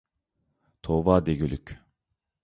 توۋا دېگۈلۈك!